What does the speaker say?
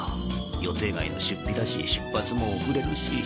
予定外の出費だし出発も遅れるしトホホホ。